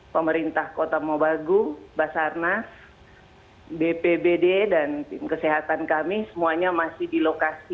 pemerintah kota mobagu basarnas bpbd dan tim kesehatan kami semuanya masih di lokasi